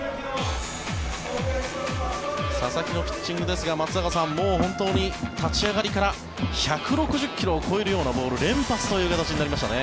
佐々木のピッチングですが松坂さん、もう本当に立ち上がりから１６０ｋｍを超えるようなボールを連発しましたね。